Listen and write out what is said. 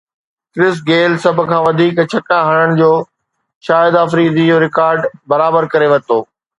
ڪرس Gayle سڀ کان وڌيڪ ڇڪا هڻڻ جو شاهد آفريدي جو رڪارڊ برابر ڪري ورتو